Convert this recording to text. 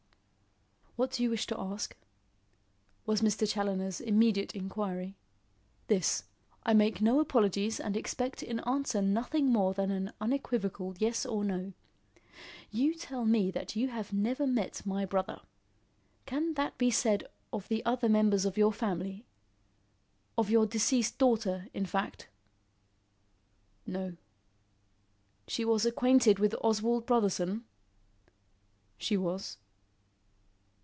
"What do you wish to ask?" was Mr. Challoner's immediate inquiry. "This; I make no apologies and expect in answer nothing more than an unequivocal yes or no. You tell me that you have never met my brother. Can that be said of the other members of your family of your deceased daughter, in fact?" "No." "She was acquainted with Oswald Brotherson?" "She was."